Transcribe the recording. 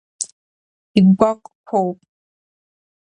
Игәаҟқәоуп!